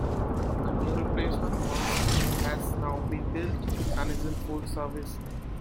A new replacement mast has now been built and is in full service.